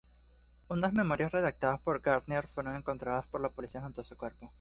Unas memorias redactadas por Garnier fueron encontradas por la policía junto a su cuerpo.